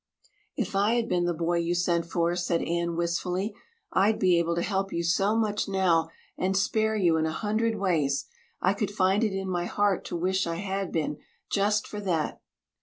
"If I had been the boy you sent for," said Anne wistfully, "I'd be able to help you so much now and spare you in a hundred ways. I could find it in my heart to wish I had been, just for that."